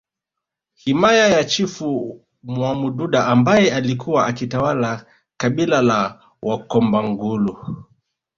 Himaya ya Chifu Mwamududa ambaye alikuwa akitawala kabila la Wakombagulu